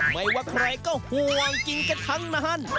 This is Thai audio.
ไม่ว่าใครก็ห่วงกินกันทั้งนาน